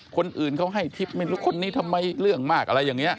คนอื่นเขาให้ทิพย์ไม่รู้คนนี้ทำไมเรื่องมากอะไรอย่างนี้